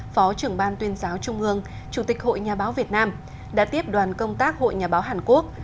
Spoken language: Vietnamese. phó trưởng ban tuyên giáo trung ương chủ tịch hội nhà báo việt nam đã tiếp đoàn công tác hội nhà báo hàn quốc